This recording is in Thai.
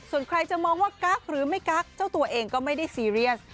ส่วนใครจะมองว่ากั๊กหรือไม่กักเจ้าตัวเองก็ไม่ได้ซีเรียส